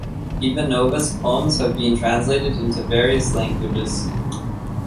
Ivanova's poems have been translated into various languages.